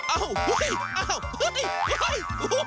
อ้าวอุ๊ยอ้าวอุ๊ยอุ๊ยอุ๊ย